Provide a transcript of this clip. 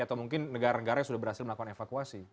atau mungkin negara negara yang sudah berhasil melakukan evakuasi